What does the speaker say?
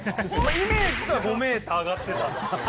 イメージでは５ｍ上がってたんですけどね。